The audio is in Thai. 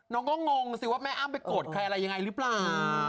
น้องก็งงสิว่าแม่อ้ำไปโกรธใครอะไรยังไงหรือเปล่า